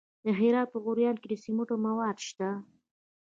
د هرات په غوریان کې د سمنټو مواد شته.